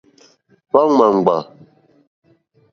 Hwá ǃma ŋɡbà.